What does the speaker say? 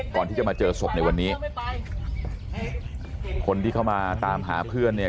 ก่อนที่จะมาเจอศพในวันนี้คนที่เข้ามาตามหาเพื่อนเนี่ย